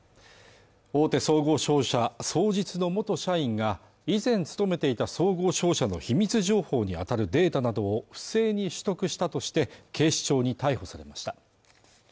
大手総合商社双日の元社員が以前勤めていた総合商社の秘密情報にあたるデータなどを不正に取得したとして警視庁に逮捕されました